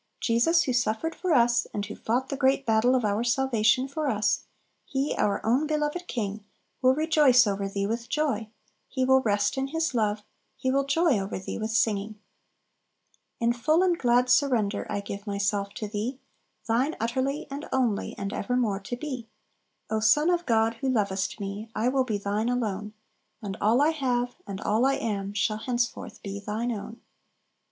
Jesus, who suffered for us, and who fought the great battle of our salvation for us, He, our own beloved King, "will rejoice over thee with joy; He will rest in His love; He will joy over thee with singing." "In full and glad surrender I give myself to Thee, Thine utterly, and only, and evermore to be! O Son of God, who lovest me, I will be Thine alone; And all I have, and all I am, shall henceforth be Thine own."